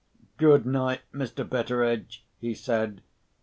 "Good night, Mr. Betteredge," he said.